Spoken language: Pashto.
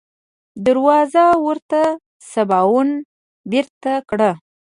دروازه ورته سباوون بېرته کړه.